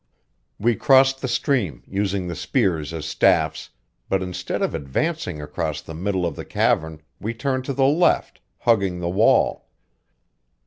We crossed the stream, using the spears as staffs; but instead of advancing across the middle of the cavern we turned to the left, hugging the wall.